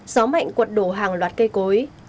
gió mạnh quật đổ hàng loạt cây cối